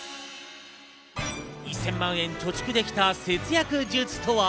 １０００万円貯蓄できた節約術とは？